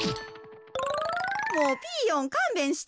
もうピーヨンかんべんしてや。